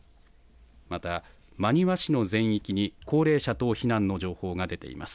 また、真庭市の全域に高齢者等避難の情報が出ています。